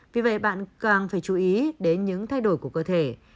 vì vậy bạn càng phải chú ý đến những thay đổi của cơ thể